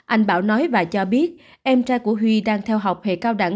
anh bảo nói và cho biết em trai của huy đang theo học hệ cao đẳng